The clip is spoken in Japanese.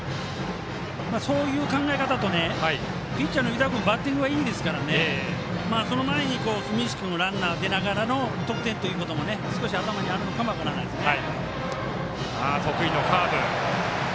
そういう考え方とピッチャーの湯田君バッティングがいいですからその前に住石君がランナーで出ながらの得点も少し頭にあるのかも分からないですね。